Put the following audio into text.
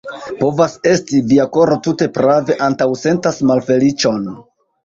Povas esti, via koro tute prave antaŭsentas malfeliĉon.